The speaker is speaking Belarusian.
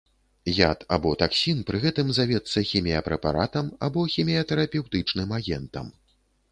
Яд або таксін пры гэтым завецца хіміяпрэпаратам, або хіміятэрапеўтычным агентам.